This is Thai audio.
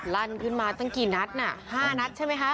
ลั่นขึ้นมาตั้งกี่นัดน่ะ๕นัดใช่ไหมคะ